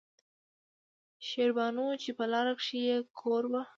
شېربانو چې پۀ لاره کښې يې کور وۀ